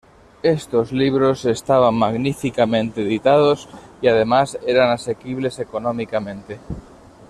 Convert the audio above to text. Estos libros estaban magníficamente editados y además eran asequibles económicamente.